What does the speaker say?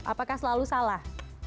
apakah selalu salah